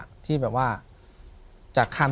ถูกต้องไหมครับถูกต้องไหมครับ